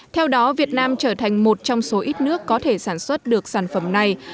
theo đó việt nam trở thành một trong số ít nước có thể sản xuất được sản phẩm này